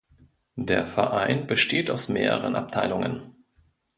Der Verein besteht aus mehreren Abteilungen.